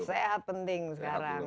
sehat penting sekarang